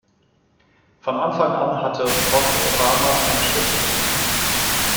Von Anfang an hatte Rock-O-Rama einen schlechten Ruf.